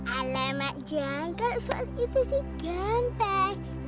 alamak jangan kan soal itu sih ganteng